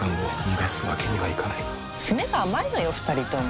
逃がすわけにはいかない」「詰めが甘いのよ２人とも」